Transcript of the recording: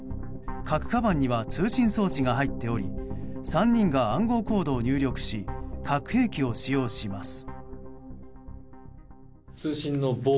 核かばんには通信装置が入っており３人が暗号コードを入力し核兵器を使用します。